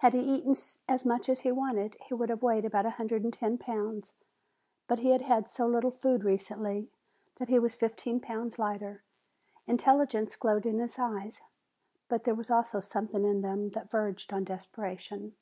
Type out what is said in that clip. Had he eaten as much as he wanted, he would have weighed about a hundred and ten pounds, but he had had so little food recently that he was fifteen pounds lighter. Intelligence glowed in his eyes. But there was also something in them that verged on desperation.